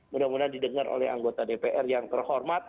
mudah mudahan didengar oleh anggota dpr yang terhormat